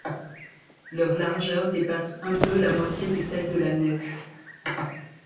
Leur largeur dépasse un peu la moitié de celle de la nef.